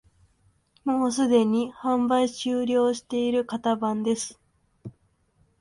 もうすでに販売終了している型番です